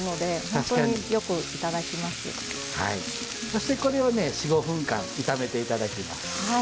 そしてこれをね４５分間炒めて頂きます。